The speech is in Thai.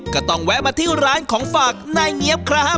แวะมาที่ร้านของฝากนายเงี๊ยบครับ